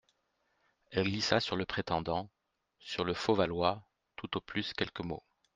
Elle glissa sur le prétendant, sur le faux Valois, tout au plus quelques mots.